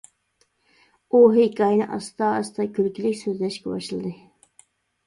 ئۇ ھېكايىنى ئاستا-ئاستا كۈلكىلىك سۆزلەشكە باشلىدى.